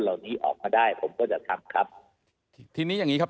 และก็สปอร์ตเรียนว่าคำน่าจะมีการล็อคกรมการสังขัดสปอร์ตเรื่องหน้าในวงการกีฬาประกอบสนับไทย